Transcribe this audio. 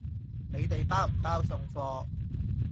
你哋包唔包送貨？